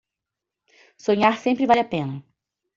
Sonhar sempre vale a pena